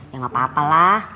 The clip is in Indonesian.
ya gak apa apa lah